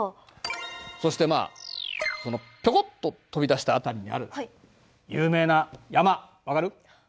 そしてまあこのピョコッと飛び出した辺りにある有名な山分かる？